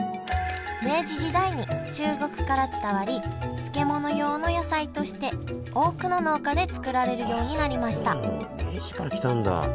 明治時代に中国から伝わり漬物用の野菜として多くの農家で作られるようになりました明治から来たんだ？